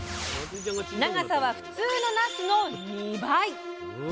長さは普通のなすの２倍！